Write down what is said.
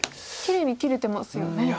きれいに切れてますよね。